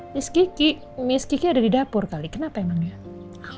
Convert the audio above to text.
miss kiki miss kiki ada di dapur kali kenapa emang gak